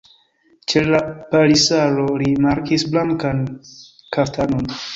Ĉe la palisaro li rimarkis blankan kaftanon.